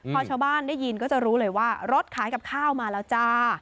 พอชาวบ้านได้ยินก็จะรู้เลยว่ารถขายกับข้าวมาแล้วจ้า